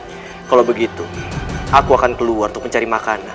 tapi kalau begitu aku akan keluar untuk mencari makanan